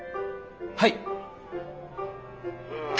はい。